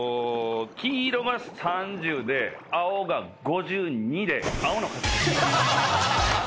黄色が３０で青が５２で青の勝ち。